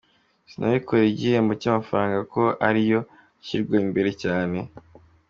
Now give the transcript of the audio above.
Sinabikoreye igihembo cy’amafaranga kuko ari yo ashyirwa imbere cyane.